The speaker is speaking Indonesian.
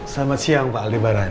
selamat siang pak aldebaran